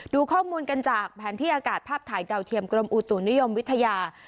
ดูข้อมูลกันจากแผนที่อากาศภาพถ่ายดาวเทียมกรมอุตุนิยมวิทยา